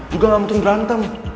juga gak muntun berantem